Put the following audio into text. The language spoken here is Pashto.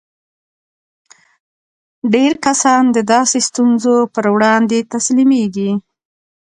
ډېر کسان د داسې ستونزو پر وړاندې تسليمېږي.